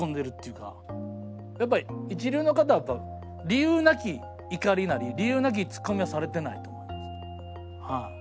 やっぱり一流の方は理由なき怒りなり理由なきツッコミはされてないと思います。